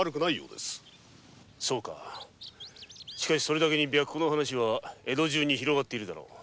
それだけに白狐の話は江戸中に広がっているだろう。